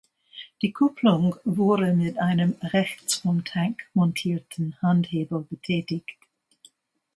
Die Kupplung wurde mit einem rechts vom Tank montierten Handhebel betätigt.